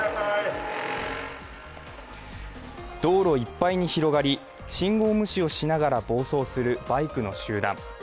道路いっぱいに広がり信号無視をしながら暴走するバイクの集団。